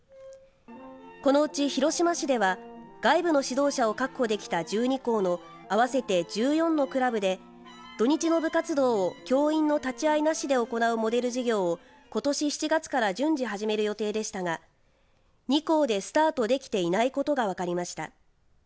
このうち広島市では外部の指導者を確保できた１２校の合わせて１４のクラブで土日の部活動を教員の立ち会いなしで行うモデル事業をことし７月から順次始める予定でしたが２校でスタートできていないことが分かりました。